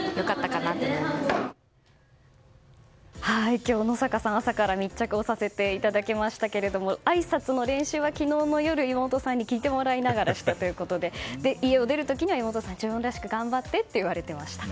今日、野坂さんに朝から密着させていただきましたがあいさつの練習は昨日の夜妹さんに聞いてもらいながらしたということで家を出る時に、妹さんに自分らしく頑張ってと言われていました。